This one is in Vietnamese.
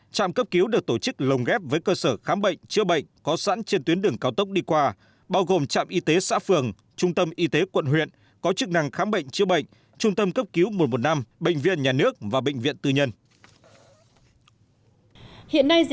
trạm cấp cứu được tổ chức lồng ghép với cơ sở khám bệnh chữa bệnh có sẵn trên tuyến đường cao tốc đi qua bao gồm trạm y tế xã phường trung tâm y tế quận huyện có chức năng khám bệnh chữa bệnh trung tâm cấp cứu một trăm một mươi năm bệnh viện nhà nước và bệnh viện tư nhân